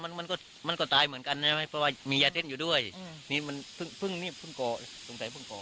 อันนี้มันก็ตายเหมือนกันนะเพราะว่ามียาเต้นอยู่ด้วยนี่มันพึ่งนี่พึ่งโกตรงใจพึ่งโก